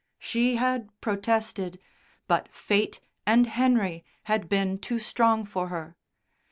She had protested, but Fate and Henry had been too strong for her.